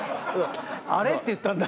「あれ？」って言ったんだ。